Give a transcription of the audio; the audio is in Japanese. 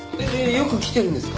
よく来てるんですか？